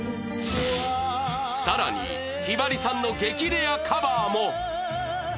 更にひばりさんの激レアカバーも。